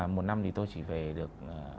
một năm thì tôi chỉ về được